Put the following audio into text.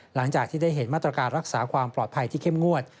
หลังจากที่ได้เห็นมาตรการรักษาความปลอดภัยที่เข้มงวด